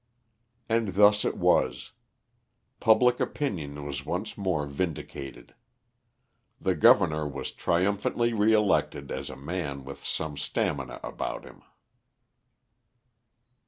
And thus it was. Public opinion was once more vindicated. The governor was triumphantly re elected as a man with some stamina about him.